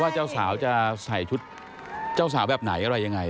เจ้าสาวจะใส่ชุดเจ้าสาวแบบไหนอะไรยังไง